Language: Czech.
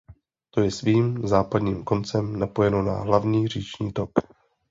To je svým západním koncem napojeno na hlavní říční tok.